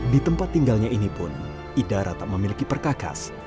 di tempat tinggalnya ini pun idara tak memiliki perkakas